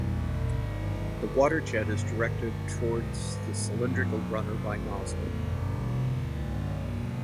The water jet is directed towards the cylindrical runner by nozzle.